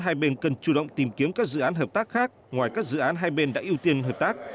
hai bên cần chủ động tìm kiếm các dự án hợp tác khác ngoài các dự án hai bên đã ưu tiên hợp tác